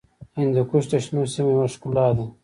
هندوکش د شنو سیمو یوه ښکلا ده.